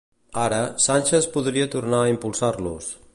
Ara, Sánchez podria tornar a impulsar-los.